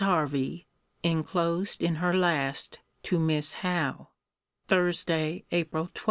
HERVEY [ENCLOSED IN HER LAST TO MISS HOWE.] THURSDAY, APRIL 20.